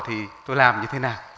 thì tôi làm như thế nào